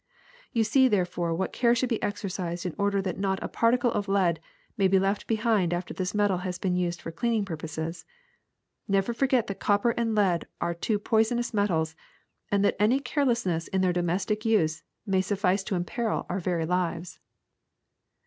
You see therefore what care should be exercised in order that not a particle of lead may be left behind after this metal has been used for cleaning purposes. Never forget that copper and lead are two poisonous metals, and that any carelessness in their domestic use may suf fice to imperil our very lives.''